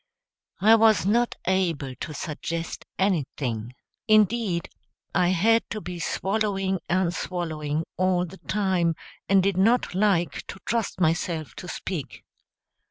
I was not able to suggest anything; indeed, I had to be swallowing and swallowing, all the time, and did not like to trust myself to speak.